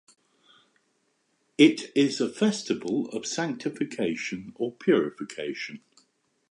It is a festival of sanctification or purification.